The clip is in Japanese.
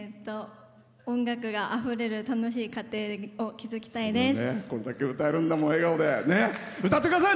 音楽であふれる楽しい家庭を築きたいです。